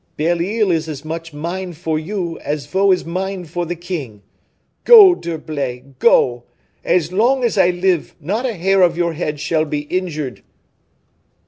"Belle Isle is as much mine for you, as Vaux is mine for the king. Go, D'Herblay, go! as long as I live, not a hair of your head shall be injured."